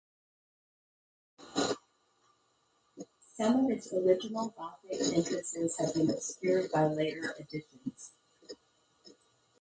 Some of its original Gothic entrances have been obscured by later additions.